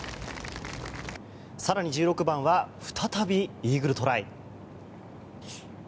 更に１６番は再び、イーグルトライ。